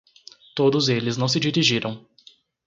Todos eles não se dirigiram.